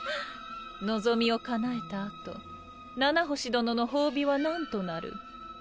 望みを叶えた後七星殿の褒美はなんとなる？